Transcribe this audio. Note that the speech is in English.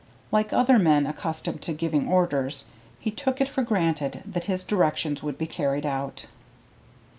Like other men accustomed to giving orders, he took it for granted that his directions would be carried out.